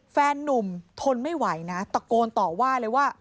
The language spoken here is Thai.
แฟนนุ่มทนไม่ไหวนะตะโกนต่อว่าเลยว่า